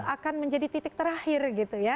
akan menjadi titik terakhir gitu ya